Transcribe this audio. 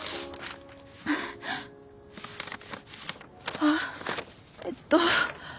あっえっと